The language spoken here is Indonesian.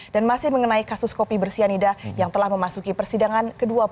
dan masih mengenai kasus kopi bersianida yang telah memasuki persidangan ke dua puluh